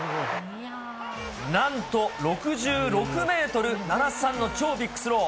なんと６６メートル７３の趙ビッグスロー。